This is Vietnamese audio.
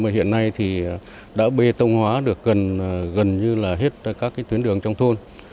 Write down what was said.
hiện nay thì đã bê tông hóa được gần như là hết các cái tuyến đường trong thôn